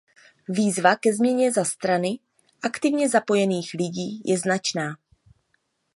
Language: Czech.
Výzva ke změně ze strany aktivně zapojených lidí je značná.